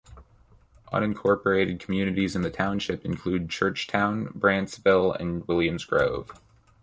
Unincorporated communities in the township include Churchtown, Brandtsville, and Williams Grove.